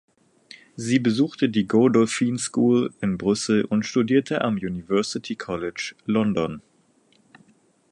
Sie besuchte die Godolphin School in Brüssel und studierte am University College London.